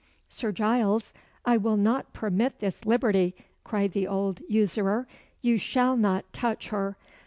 "Sir Giles, I will not permit this liberty," cried the old usurer. "You shall not touch her.